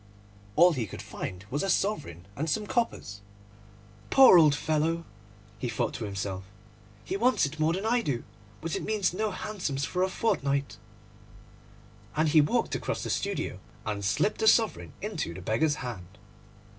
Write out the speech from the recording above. All he could find was a sovereign and some coppers. 'Poor old fellow,' he thought to himself, 'he wants it more than I do, but it means no hansoms for a fortnight'; and he walked across the studio and slipped the sovereign into the beggar's hand.